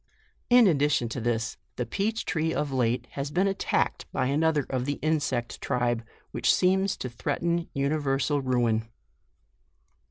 In addition to this, the peach tree of late has been attacked by another of the insect tribe, which seems to threaten universal ruin.